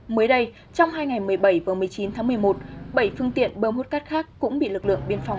mới đây trong hai ngày một mươi bảy và một mươi chín tháng một mươi một bảy phương tiện bơm hút cát khác cũng bị lực lượng biên phòng